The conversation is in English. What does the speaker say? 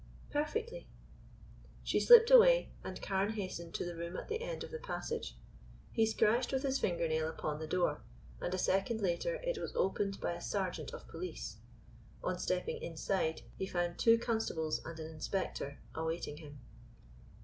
"Perfectly." She slipped away, and Carne hastened to the room at the end of the passage. He scratched with his finger nail upon the door, and a second later it was opened by a sergeant of police. On stepping inside he found two constables and an inspector awaiting him.